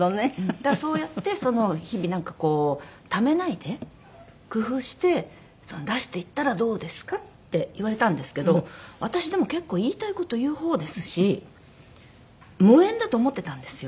「だからそうやって日々なんかこうためないで工夫して出していったらどうですか？」って言われたんですけど私でも結構言いたい事言う方ですし無縁だと思ってたんですよ